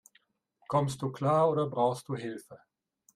Kommst du klar, oder brauchst du Hilfe?